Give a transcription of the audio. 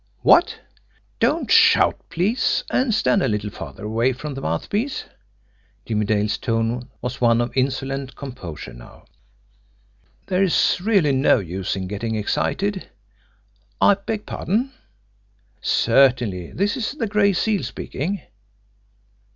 ... What? ... Don't shout, please and stand a little farther away from the mouthpiece." Jimmie Dale's tone was one of insolent composure now. "There is really no use in getting excited. ... I beg pardon? ... Certainly, this is the Gray Seal speaking.